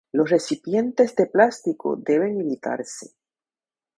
Los recipientes de plástico deben evitarse.